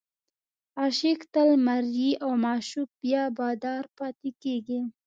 عاشق تل مریی او معشوق بیا بادار پاتې کېږي.